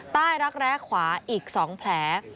รักแร้ขวาอีก๒แผล